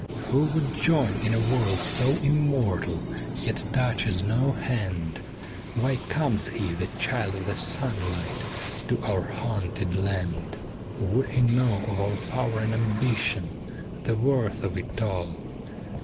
' Who would join in a world so immortal Yet touches no hand, Why comes he, the child of the sunlight, To our haunted land? * Would he know of our power and ambition, The worth of it all